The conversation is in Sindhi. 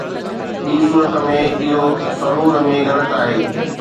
ٻي صورت ۾، اهو سرور ۾ غلط آهي